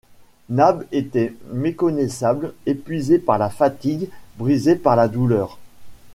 Nab était méconnaissable, épuisé par la fatigue, brisé par la douleur